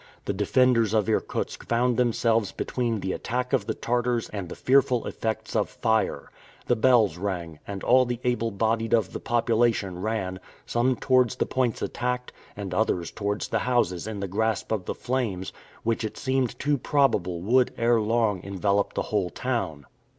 The defenders of Irkutsk found themselves between the attack of the Tartars and the fearful effects of fire. The bells rang, and all the able bodied of the population ran, some towards the points attacked, and others towards the houses in the grasp of the flames, which it seemed too probable would ere long envelop the whole town.